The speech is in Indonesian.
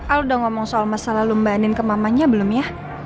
al udah ngomong soal masalah lu mba andin ke mamanya belum ya